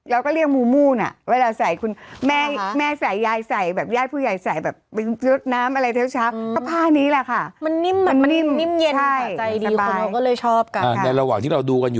เราก็เรียกมูมูน่ะเวลาใส่คุณแม่ใส่ยายใส่